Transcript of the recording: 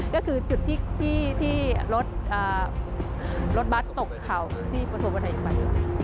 ก็คือจุดที่รถบัตรตกเข่าที่ประสูรประถังอีกไป